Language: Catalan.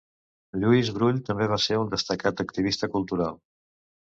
Lluís Brull també va ser un destacat activista cultural.